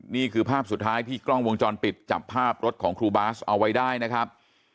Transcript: นี่คือภาพสุดท้ายที่กล้องวงจรปิดจับภาพรถของครูบาสเอาไว้ได้นะครับ